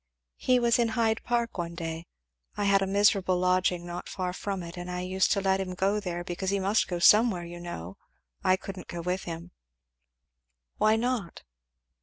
"He was in Hyde Park one day I had a miserable lodging not far from it, and I used to let him go in there, because he must go somewhere, you know, I couldn't go with him " "Why not?"